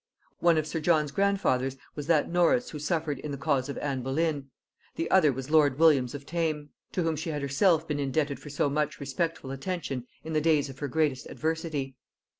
One of sir John's grandfathers was that Norris who suffered in the cause of Anne Boleyn; the other was lord Williams of Tame, to whom she had herself been indebted for so much respectful attention in the days of her greatest adversity.